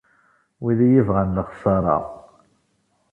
Wid i iyi-ibɣan lexsara.